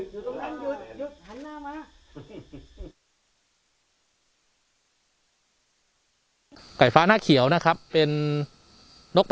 สวัสดีครับทุกคน